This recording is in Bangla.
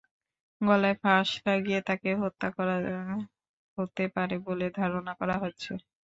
গলায় ফাঁস লাগিয়ে তাঁকে হত্যা করা হতে পারে বলে ধারণা করা হচ্ছে।